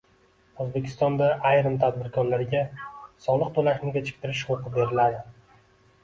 O‘zbekistonda ayrim tadbirkorlarga soliq to‘lashni kechiktirish huquqi beriladi